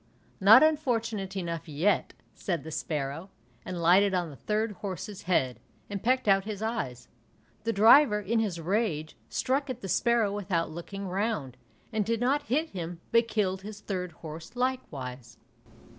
"Not unfortunate enough yet," said the sparrow, and lighted on the third horse's head, and pecked out his eyes. The driver, in his rage, struck at the sparrow without looking round, and did not hit him but killed his third horse likewise.